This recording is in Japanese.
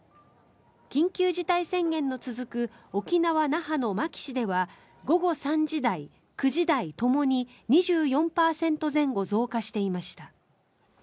緊急事態宣言の続く沖縄・那覇の牧志では午後３時台、９時台ともに２４％前後増加していました。